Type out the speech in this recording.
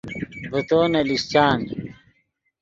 ڤے تو نے لیشچان